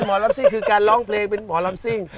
หมอลำซิ่งคือการร้องเพลงเป็นหมอลำซิ่ง